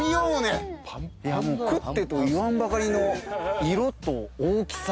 食ってと言わんばかりの色と大きさ。